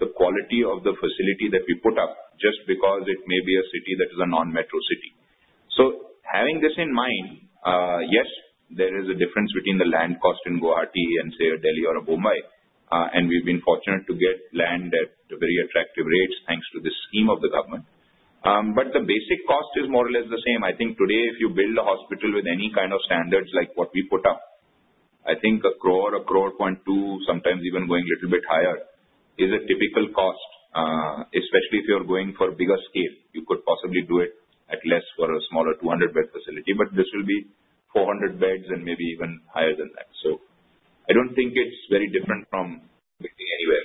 the quality of the facility that we put up just because it may be a city that is a non-metro city. Having this in mind, yes, there is a difference between the land cost in Guwahati and, say, a Delhi or a Mumbai. We have been fortunate to get land at very attractive rates thanks to the scheme of the government. The basic cost is more or less the same. I think today, if you build a hospital with any kind of standards like what we put up, I think 10 million or 12 million sometimes even going a little bit higher, is a typical cost, especially if you're going for bigger scale. You could possibly do it at less for a smaller 200-bed facility. This will be 400 beds and maybe even higher than that. I do not think it's very different from anything anywhere,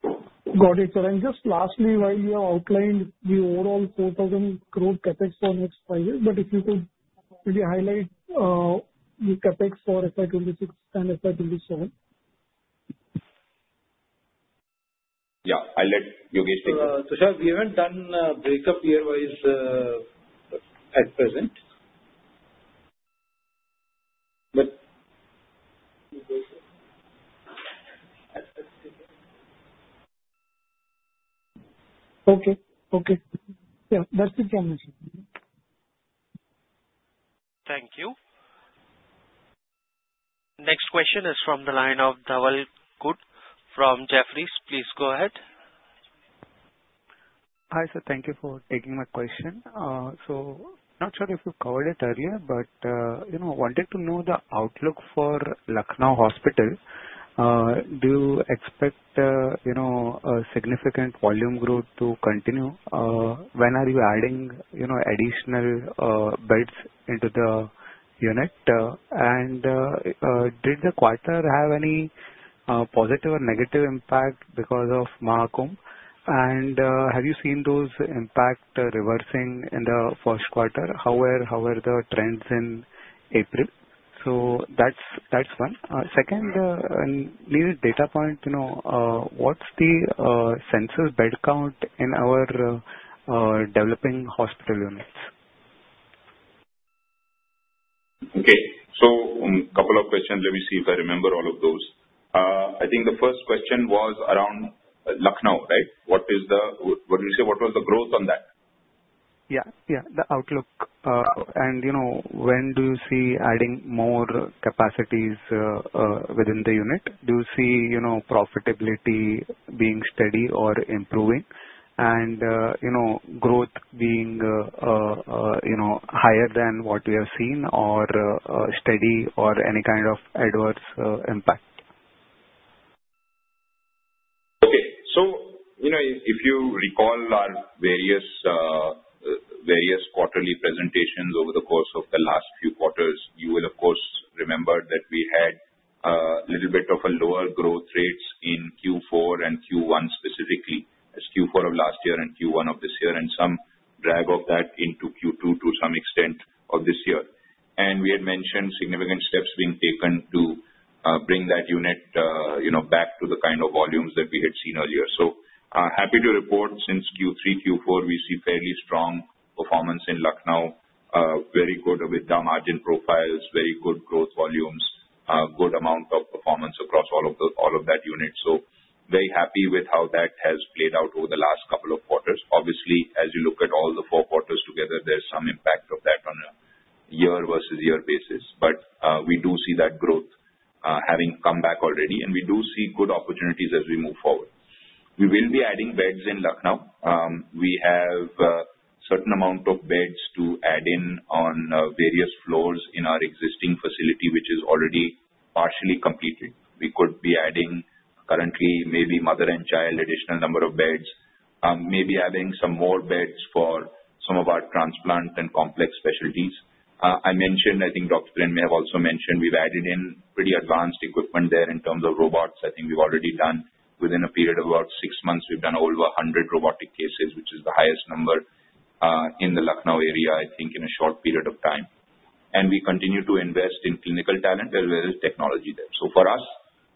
frankly. Got it, sir. And just lastly, while you have outlined the overall 4,000 crore capex for the next five years, but if you could maybe highlight the capex for FY 2026 and FY 2027. Yeah. I'll let Yogesh take it. Tushar, we haven't done a breakup tier-wise at present. Okay. Okay. Yeah. That's it from my side. Thank you. Next question is from the line of Dhaval Gut from Jefferies. Please go ahead. Hi, sir. Thank you for taking my question. Not sure if we covered it earlier, but wanted to know the outlook for Lucknow hospital. Do you expect a significant volume growth to continue? When are you adding additional beds into the unit? Did the quarter have any positive or negative impact because of Maha Kumbh Mela? Have you seen those impacts reversing in the first quarter? How were the trends in April? That's one. Second, needed data point, what's the census bed count in our developing hospital units? Okay. So a couple of questions. Let me see if I remember all of those. I think the first question was around Lucknow, right? What do you say? What was the growth on that? Yeah. Yeah. The outlook. When do you see adding more capacities within the unit? Do you see profitability being steady or improving? Growth being higher than what we have seen or steady or any kind of adverse impact? Okay. If you recall our various quarterly presentations over the course of the last few quarters, you will, of course, remember that we had a little bit of lower growth rates in Q4 and Q1 specifically, as Q4 of last year and Q1 of this year, and some drag of that into Q2 to some extent of this year. We had mentioned significant steps being taken to bring that unit back to the kind of volumes that we had seen earlier. Happy to report, since Q3, Q4, we see fairly strong performance in Lucknow, very good with the margin profiles, very good growth volumes, good amount of performance across all of that unit. Very happy with how that has played out over the last couple of quarters. Obviously, as you look at all the four quarters together, there's some impact of that on a year-versus-year basis. We do see that growth having come back already. We do see good opportunities as we move forward. We will be adding beds in Lucknow. We have a certain amount of beds to add in on various floors in our existing facility, which is already partially completed. We could be adding currently maybe mother and child, additional number of beds, maybe adding some more beds for some of our transplant and complex specialties. I mentioned, I think Dr. Trehan may have also mentioned, we've added in pretty advanced equipment there in terms of robots. I think we've already done within a period of about six months, we've done over 100 robotic cases, which is the highest number in the Lucknow area, I think, in a short period of time. We continue to invest in clinical talent as well as technology there. For us,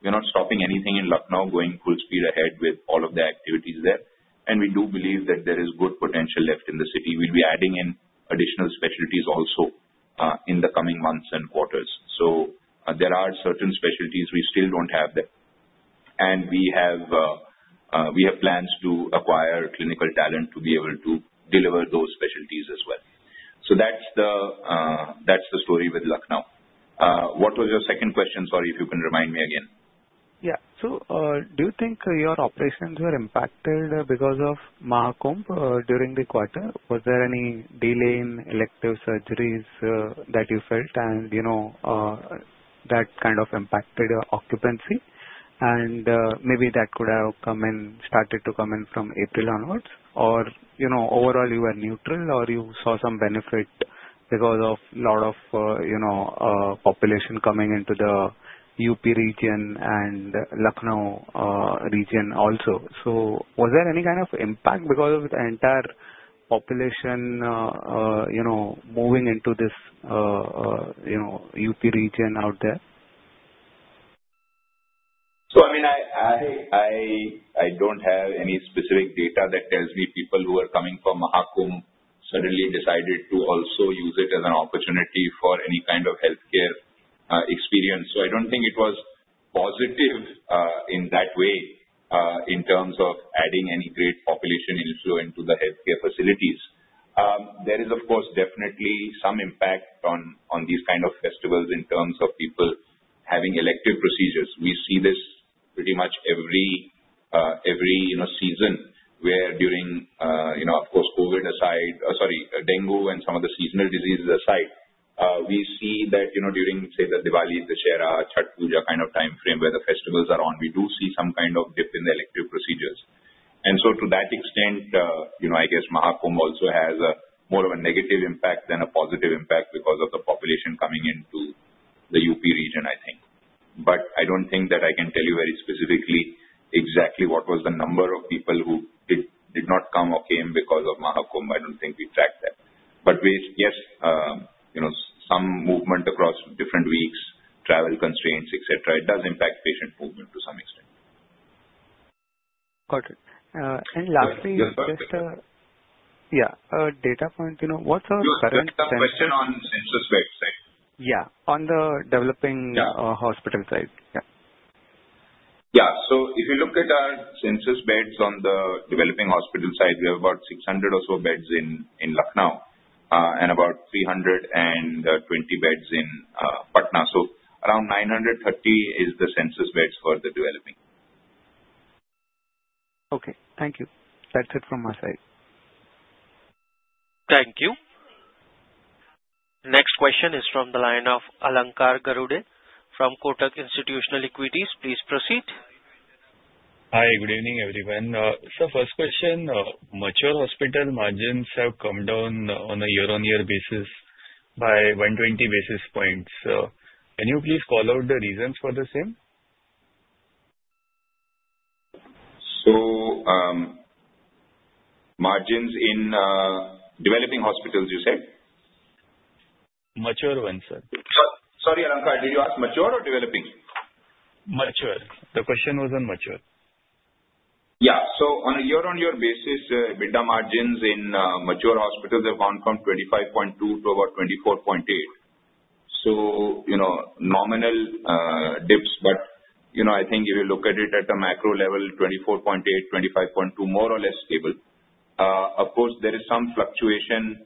we're not stopping anything in Lucknow, going full speed ahead with all of the activities there. We do believe that there is good potential left in the city. We'll be adding in additional specialties also in the coming months and quarters. There are certain specialties we still don't have there, and we have plans to acquire clinical talent to be able to deliver those specialties as well. That's the story with Lucknow. What was your second question? Sorry, if you can remind me again. Yeah. Do you think your operations were impacted because of Maha Kumbh during the quarter? Was there any delay in elective surgeries that you felt, and that kind of impacted your occupancy? Maybe that could have started to come in from April onwards. Overall, you were neutral, or you saw some benefit because of a lot of population coming into the UP region and Lucknow region also. Was there any kind of impact because of the entire population moving into this UP region out there? I mean, I don't have any specific data that tells me people who are coming from Maha Kumbh Mela suddenly decided to also use it as an opportunity for any kind of healthcare experience. I don't think it was positive in that way in terms of adding any great population inflow into the healthcare facilities. There is, of course, definitely some impact on these kind of festivals in terms of people having elective procedures. We see this pretty much every season where during, of course, COVID aside, sorry, dengue and some of the seasonal diseases aside, we see that during, say, the Diwali, the Dussehra, Chhath Puja kind of time frame where the festivals are on, we do see some kind of dip in the elective procedures. To that extent, I guess Maha Kumbh also has more of a negative impact than a positive impact because of the population coming into the UP region, I think. I do not think that I can tell you very specifically exactly what was the number of people who did not come or came because of Maha Kumbh. I do not think we tracked that. Yes, some movement across different weeks, travel constraints, etc., it does impact patient movement to some extent. Got it. And lastly, just. Yes, sir. Yeah. Data point, what's our current census? Your question on census beds, right? Yeah. On the developing hospital side. Yeah. Yeah. If you look at our census beds on the developing hospital side, we have about 600 or so beds in Lucknow and about 320 beds in Patna. Around 930 is the census beds for the developing. Okay. Thank you. That's it from my side. Thank you. Next question is from the line of Alankar Garude from Kotak Institutional Equities. Please proceed. Hi. Good evening, everyone. First question, mature hospital margins have come down on a year-on-year basis by 120 basis points. Can you please call out the reasons for the same? Margins in developing hospitals, you said? Mature ones, sir. Sorry, Alankar. Did you ask mature or developing? Mature. The question was on mature. Yeah. On a year-on-year basis, EBITDA margins in mature hospitals have gone from 25.2% to about 24.8%. Nominal dips. I think if you look at it at a macro level, 24.8%, 25.2%, more or less stable. Of course, there is some fluctuation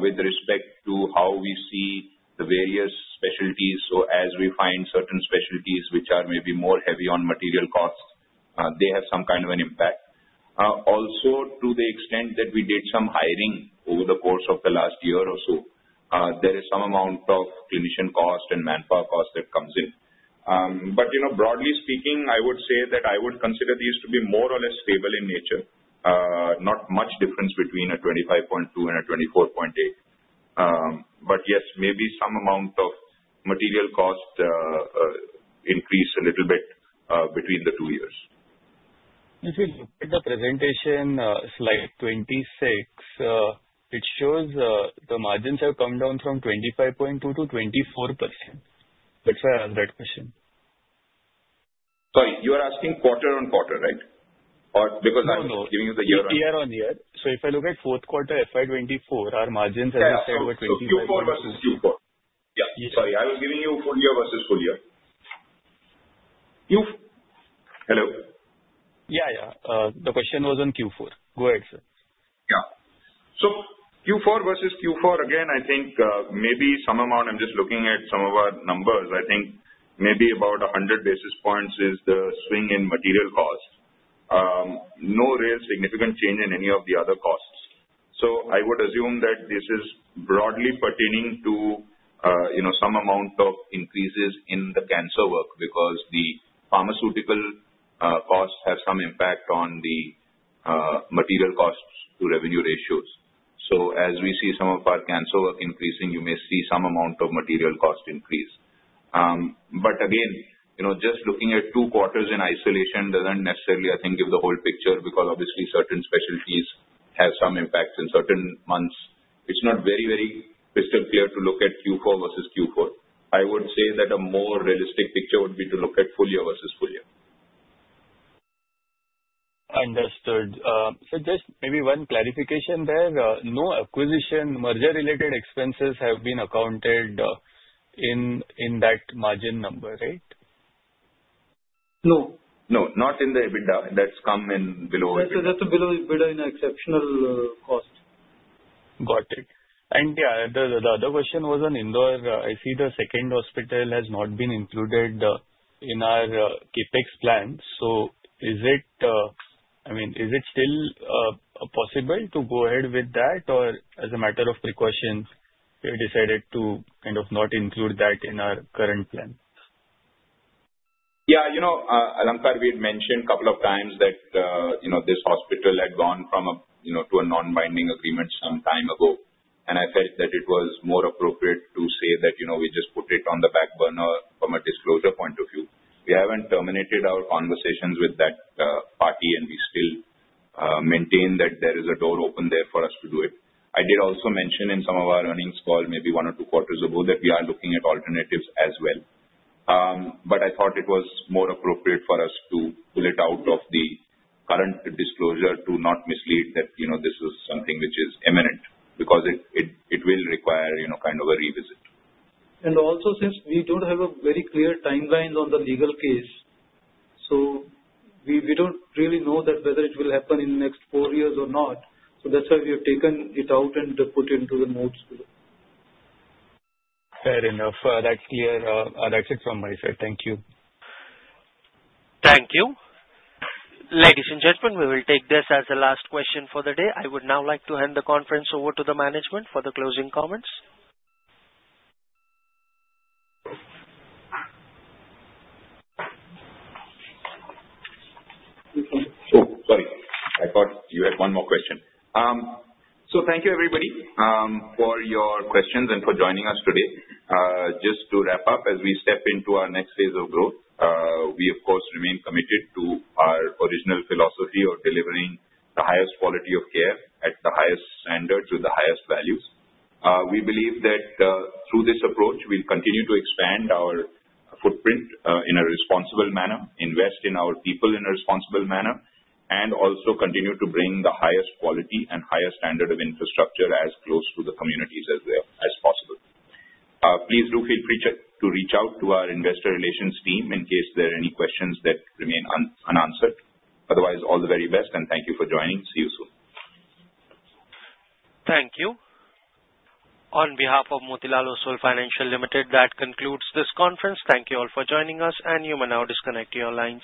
with respect to how we see the various specialties. As we find certain specialties which are maybe more heavy on material cost, they have some kind of an impact. Also, to the extent that we did some hiring over the course of the last year or so, there is some amount of clinician cost and manpower cost that comes in. Broadly speaking, I would say that I would consider these to be more or less stable in nature, not much difference between a 25.2% and a 24.8%. Yes, maybe some amount of material cost increased a little bit between the two years. If you look at the presentation slide 26, it shows the margins have come down from 25.2%-24%. That's why I asked that question. Sorry. You are asking quarter on quarter, right? Or because I was giving you the year-on. Yeah. If I look at fourth quarter, FY 2024, our margins have been over 24%. Q4 versus Q4. Yeah. Sorry. I was giving you full year versus full year. Hello? Yeah. Yeah. The question was on Q4. Go ahead, sir. Yeah. Q4 versus Q4, again, I think maybe some amount, I'm just looking at some of our numbers, I think maybe about 100 basis points is the swing in material cost. No real significant change in any of the other costs. I would assume that this is broadly pertaining to some amount of increases in the cancer work because the pharmaceutical costs have some impact on the material costs to revenue ratios. As we see some of our cancer work increasing, you may see some amount of material cost increase. Again, just looking at two quarters in isolation does not necessarily, I think, give the whole picture because obviously certain specialties have some impacts in certain months. It is not very, very crystal clear to look at Q4 versus Q4. I would say that a more realistic picture would be to look at full year versus full year. Understood. So just maybe one clarification there. No acquisition merger-related expenses have been accounted in that margin number, right? No. No. Not in the EBITDA. That's come in below. That's below EBITDA in exceptional cost. Got it. Yeah, the other question was on indoor. I see the second hospital has not been included in our CapEx plan. I mean, is it still possible to go ahead with that, or as a matter of precaution, we decided to kind of not include that in our current plan? Yeah. Alankar, we had mentioned a couple of times that this hospital had gone to a non-binding agreement some time ago. I felt that it was more appropriate to say that we just put it on the back burner from a disclosure point of view. We haven't terminated our conversations with that party, and we still maintain that there is a door open there for us to do it. I did also mention in some of our earnings call maybe one or two quarters ago that we are looking at alternatives as well. I thought it was more appropriate for us to pull it out of the current disclosure to not mislead that this is something which is imminent because it will require kind of a revisit. Since we do not have a very clear timeline on the legal case, we do not really know whether it will happen in the next four years or not. That is why we have taken it out and put it into the notes. Fair enough. That's clear. That's it from my side. Thank you. Thank you. Ladies and gentlemen, we will take this as the last question for the day. I would now like to hand the conference over to the management for the closing comments. Sorry. I thought you had one more question. Thank you, everybody, for your questions and for joining us today. Just to wrap up, as we step into our next phase of growth, we, of course, remain committed to our original philosophy of delivering the highest quality of care at the highest standard to the highest values. We believe that through this approach, we will continue to expand our footprint in a responsible manner, invest in our people in a responsible manner, and also continue to bring the highest quality and highest standard of infrastructure as close to the communities as possible. Please do feel free to reach out to our investor relations team in case there are any questions that remain unanswered. Otherwise, all the very best, and thank you for joining. See you soon. Thank you. On behalf of Motilal Oswal Financial Services Limited, that concludes this conference. Thank you all for joining us, and you may now disconnect your lines.